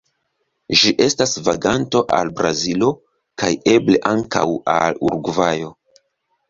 Ĝi estas vaganto al Brazilo kaj eble ankaŭ al Urugvajo.